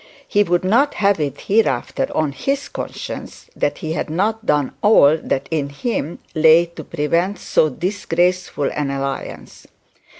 He would not have it hereafter on his conscience that he had not done all that in him lay to prevent so disgraceful an alliance.